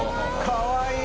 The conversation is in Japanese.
かわいい。